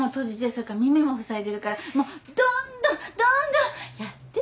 それから耳も塞いでるからもうどんどんどんどんやって。